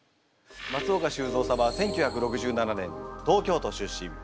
松岡修造様は１９６７年東京都出身。